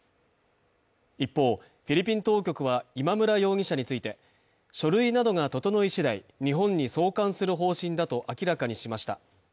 一方、フィリピン当局は今村容疑者について、書類などが整いしだい、日本に送還する方針だと明らかにしました。